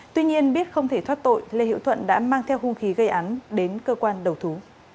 tuy nhiên biết không thể thoát tội lê hiễu thuận đã mang theo hung khí gây án đến cơ quan đầu thú